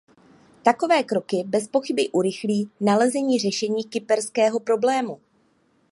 Takové kroky bezpochyby urychlí nalezení řešení kyperského problému.